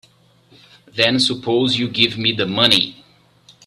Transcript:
Then suppose you give me the money.